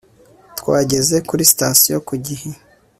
Twageze kuri sitasiyo ku gihe